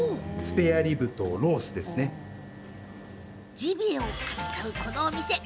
ジビエを扱うこのお店